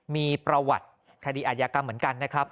มีประวัติคดีอาจยากรรมเหมือนกันนะครับ